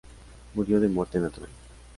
Murió de muerte natural.